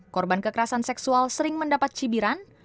korban kekerasan seksual sering mendapat cibiran